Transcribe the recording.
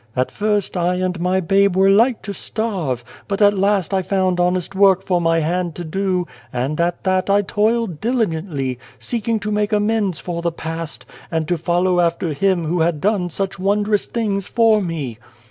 At first, I and my babe were like to starve, but at last I found honest work for my hand to do, and at that I toiled diligently, seeking to make amends for the past, and to follow after Him who had done such wondrous things for me.